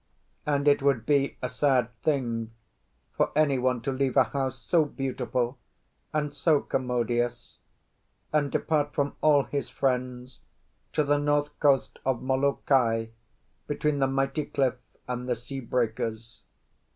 And it would be a sad thing for anyone to leave a house so beautiful and so commodious, and depart from all his friends to the north coast of Molokai between the mighty cliff and the sea breakers.